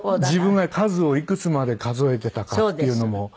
自分が数をいくつまで数えてたかっていうのも。